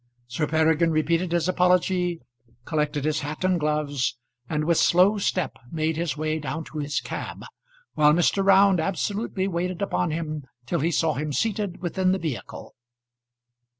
Sir Peregrine repeated his apology, collected his hat and gloves, and with slow step made his way down to his cab, while Mr. Round absolutely waited upon him till he saw him seated within the vehicle.